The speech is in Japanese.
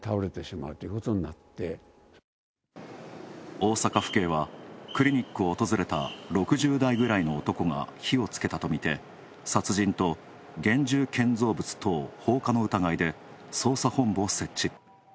大阪府警はクリニックを訪れた６０代ぐらいの男が火をつけたとみて、殺人と現住建造物等放火の疑いで捜査本部を設置。